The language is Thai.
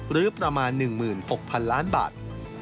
หรือประมาณ๑๖๐๐๐ล้านบาท